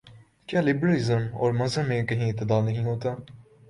کیا liberalism اور مذہب میں کہیں اعتدال نہیں ہوتا؟